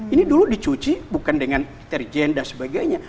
ini dulu dicuci bukan dengan terjen dan sebagainya